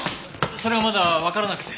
それがまだわからなくて。